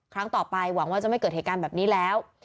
ครั้งต่อไปหวังว่าจะไม่เกิดเหตุการณ์แบบนี้แล้ว